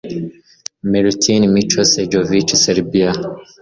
Milutin Micho Sredojevic (Serbia)